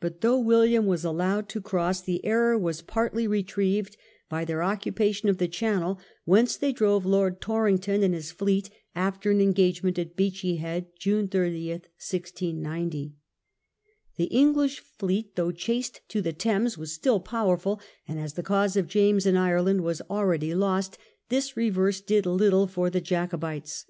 But though William was allowed to cross, the error was partly I04 DUNDEE IN SCOTLAND. retrieved by their occupation of the Channel, whence they drove Lord Torrington and his fleet after an engage The struggle ^^^^^^ Beachy Head, June 30, 1690. The in the Chan English fleet, though chased to the Thames, ^^^' was still powerful, and as the cause of James in Ireland was already lost, this reverse did' little for the Jacobites.